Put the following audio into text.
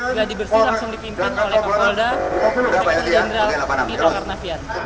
gladi bersih langsung dipimpin oleh pak fulda dan general peter karnavian